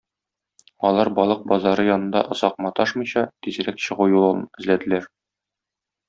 Алар балык базары янында озак маташмыйча, тизрәк чыгу юлын эзләделәр.